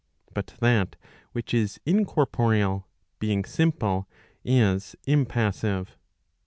But that which is incorporeal, being simple, is impassive.